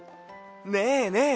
ねえねえ